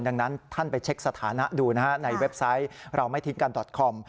ดังนั้นท่านไปเช็คสถานะดูนะฮะในเว็บไซต์เราไม่ทิ้งการดอตคอม